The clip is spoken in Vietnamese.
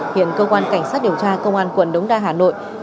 hiện cơ quan cảnh sát điều tra công an quận đống đa hà nội